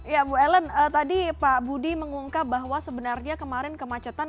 ya bu ellen tadi pak budi mengungkap bahwa sebenarnya kemarin kemacetan